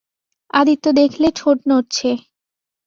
আদিত্য দেখলে ঠোঁট নড়ছে।